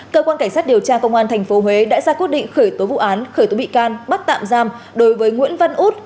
cơ quan cảnh sát điều tra công an tp huế đã ra quyết định khởi tố vụ án khởi tố bị can bắt tạm giam đối với nguyễn văn út